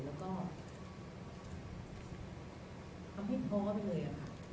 แล้วก็ทำให้ท้อไปเลยค่ะ